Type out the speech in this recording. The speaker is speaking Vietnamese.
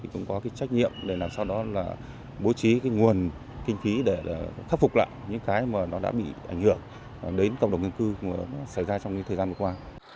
cũng có cái trách nhiệm để làm sao đó là bố trí cái nguồn kinh khí để khắc phục lại những cái mà nó đã bị ảnh hưởng đến cộng đồng nguyên cư mà nó xảy ra trong những thời gian vừa qua